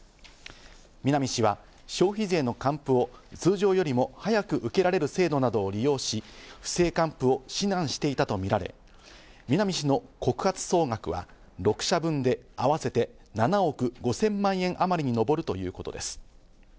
南氏は消費税の還付を通常よりも早く受けられる制度などを利用し、不正還付を指南していたとみられ、南氏の告発総額は６社分であわせて７億５０００万円あまりに上るということです。